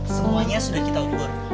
semuanya sudah kita ubur